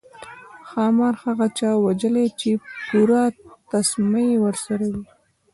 ښامار هغه چا وژلی چې پوره تسمه یې ورسره وي.